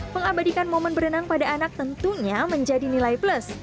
mengabadikan momen berenang pada anak tentunya menjadi nilai plus